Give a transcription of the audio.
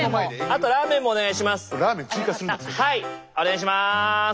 お願いします。